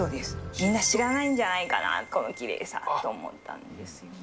みんな知らないんじゃないかな、このきれいさと思ったんですよね。